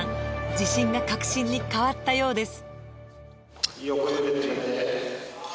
自信が確信に変わったようです